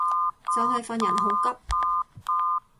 就係份人好急